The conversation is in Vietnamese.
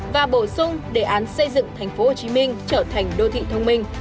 và bổ sung đề án xây dựng tp hcm trở thành đô thị thông minh